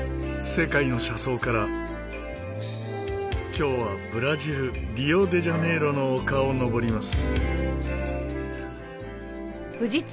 今日はブラジルリオ・デ・ジャネイロの丘を登ります。